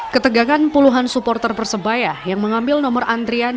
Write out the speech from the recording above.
ketegangan puluhan supporter persebaya yang mengambil nomor antrian